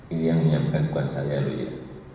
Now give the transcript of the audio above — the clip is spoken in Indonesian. ini yang menyiapkan bukan saya lho ya